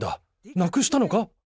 なくしたのか？